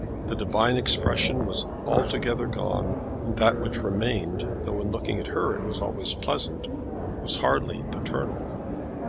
The divine expression was altogether gone, and that which remained, though in looking at her it was always pleasant, was hardly paternal.